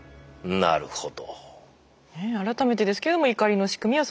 なるほど。